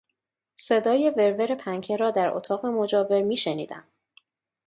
صدای ور ور پنکه را در اتاق مجاور میشنیدم.